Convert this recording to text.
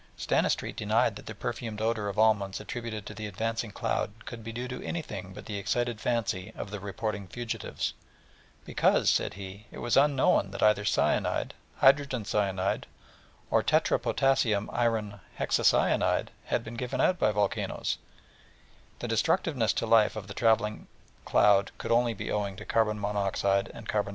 Stanistreet denied that the perfumed odour of almonds attributed to the advancing cloud could be due to anything but the excited fancy of the reporting fugitives, because, said he, it was unknown that either Cn, HCn, or K_4FeCn_6 had been given out by volcanoes, and the destructiveness to life of the travelling cloud could only be owing to CO and CO_2.